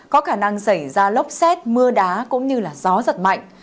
có khả năng xảy ra lốc xét mưa đá cũng như gió giật mạnh